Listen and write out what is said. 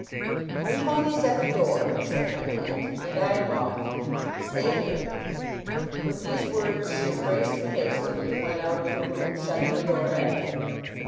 'The pony's at the door,' said my aunt, 'and I am off! Stay here.' With these words she embraced me hastily, and went out of the room, shutting the door after her.